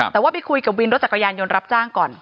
แต่ว่าไปคุยกับวินรถจักรยานยนต์รับจ้างก่อน